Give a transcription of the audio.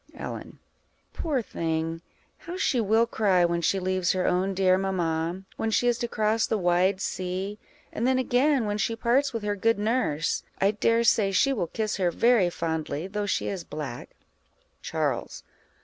Ellen. Poor thing! how she will cry when she leaves her own dear mamma, when she is to cross the wide sea! and then again, when she parts with her good nurse; I dare say she will kiss her very fondly, though she is a black. _Charles.